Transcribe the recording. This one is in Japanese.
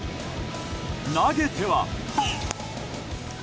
投げては。